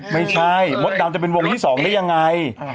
ไม่ใช่มดดำจะเป็นวงที่๒ได้ยังไง